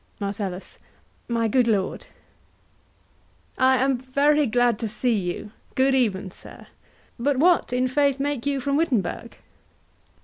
MARCELLUS. My good lord. HAMLET. I am very glad to see you.—Good even, sir.— But what, in faith, make you from Wittenberg?